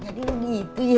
jadi lo gitu ya